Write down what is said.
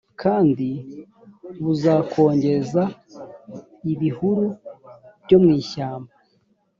kandi buzakongeza ibihuru byo mu ishyamba